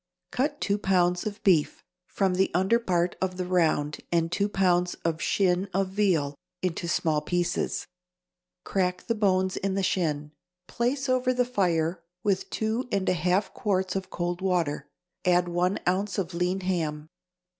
= Cut two pounds of beef from the under part of the round and two pounds of shin of veal into small pieces; crack the bones in the shin. Place over the fire with two and a half quarts of cold water; add one ounce of lean ham.